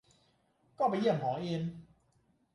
ก็ไปเยี่ยมหอเอน